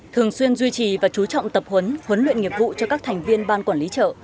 thường xuyên duy trì và chú trọng tập huấn huấn luyện nghiệp vụ cho các thành viên ban quản lý chợ